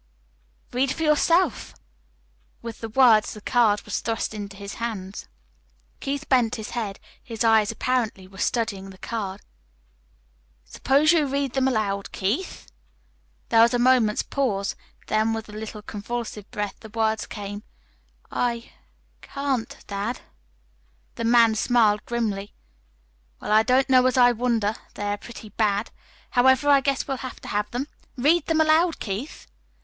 "Read for yourself." With the words the card was thrust into his hand. Keith bent his head. His eyes apparently were studying the card. "Suppose you read them aloud, Keith." There was a moment's pause; then with a little convulsive breath the words came. "I can't dad." The man smiled grimly. "Well, I don't know as I wonder. They are pretty bad. However, I guess we'll have to have them. Read them aloud, Keith."